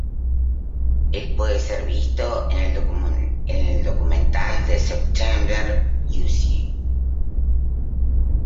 Él puede ser visto en el documental "The September Issue".